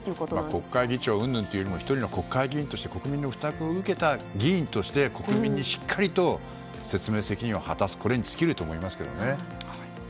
国会議長云々というより１人の議員として国民の負託を受けた議員として国民にしっかり説明責任を果たす、これに尽きると思います。